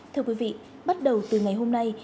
thưa quý vị bắt đầu từ ngày hôm nay